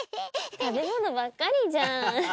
食べ物ばっかりじゃん。